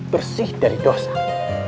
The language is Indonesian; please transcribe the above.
bersih dari dosa